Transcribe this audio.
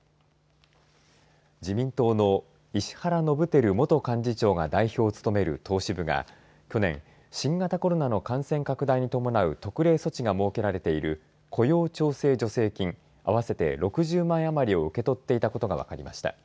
自民党の石原伸晃元幹事長が代表を務める党支部が去年新型コロナの感染拡大に伴う特例措置が設けられている雇用調整助成金合わせて６０万円余りを受け取っていたことが分かりました。